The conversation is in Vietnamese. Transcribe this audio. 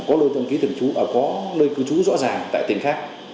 có nơi cư trú rõ ràng tại tỉnh khác